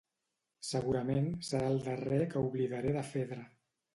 Segurament serà el darrer que oblidaré de Fedra.